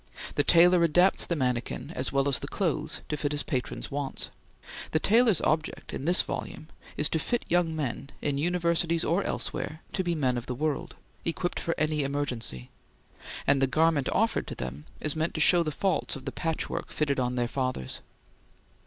The tailor adapts the manikin as well as the clothes to his patron's wants. The tailor's object, in this volume, is to fit young men, in universities or elsewhere, to be men of the world, equipped for any emergency; and the garment offered to them is meant to show the faults of the patchwork fitted on their fathers.